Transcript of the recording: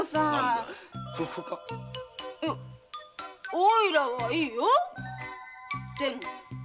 おいらはいいよでも。